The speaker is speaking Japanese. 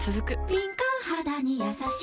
敏感肌にやさしい